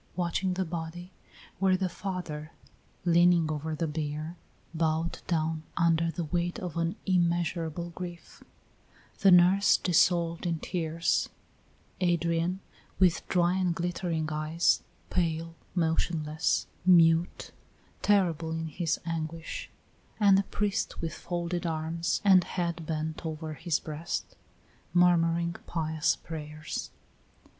Watching the body were the father, leaning over the bier, bowed down under the weight of an immeasurable grief; the nurse dissolved in tears; Adrian, with dry and glittering eyes, pale, motionless, mute, terrible in his anguish; and the priest with folded arms and head bent over his breast, murmuring pious prayers.